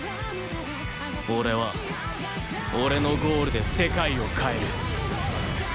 俺は俺のゴールで世界を変える